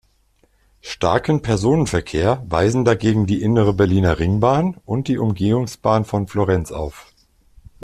Starken Personenverkehr weisen dagegen die innere Berliner Ringbahn und die Umgehungsbahn von Florenz auf.